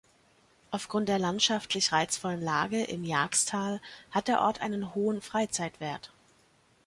Aufgrund der landschaftlich reizvollen Lage im Jagsttal hat der Ort einen hohen Freizeitwert.